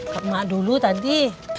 kak mak dulu tadi